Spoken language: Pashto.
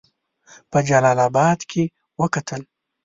په جلا آباد کې وکتل.